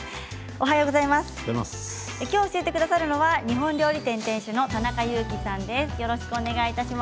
今日、教えてくださるのは日本料理店店主の田中佑樹さんです。